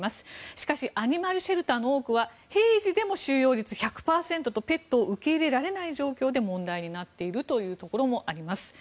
しかしアニマルシェルターの多くは平時でも収容率１００％とペットを受け入れられない状況で問題になっているというところもあります。